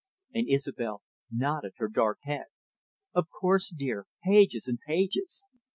And Isobel nodded her dark head. "Of course, dear, pages and pages."